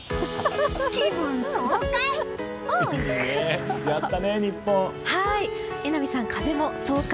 気分爽快！